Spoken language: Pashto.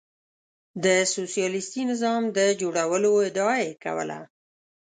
د سوسیالیستي نظام د جوړولو ادعا یې کوله.